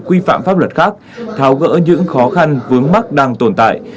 và các pháp luật khác tháo gỡ những khó khăn vướng mắt đang tồn tại